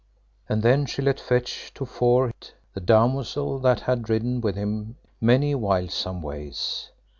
And then she let fetch to fore him Linet, the damosel that had ridden with him many wildsome ways.